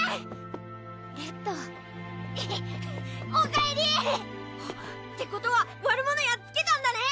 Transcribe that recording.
レッドおかえり！ってことは悪者やっつけたんだね